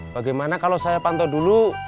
bagaimana kalau saya pantau dulu